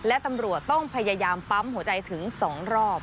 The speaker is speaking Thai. และตำรวจต้องพยายามปั๊มหัวใจถึง๒รอบ